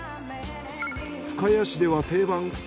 深谷市では定番！